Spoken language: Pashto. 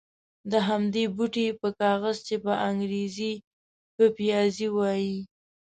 د همدې بوټي په کاغذ چې په انګرېزي پپیازي وایي.